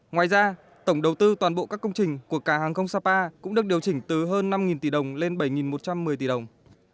ngoài ra tổng đầu tư toàn bộ các công trình của cảng hàng không sapa cũng được điều chỉnh từ hơn năm tỷ đồng lên bảy một trăm một mươi tỷ đồng